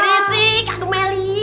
berisik aduh meli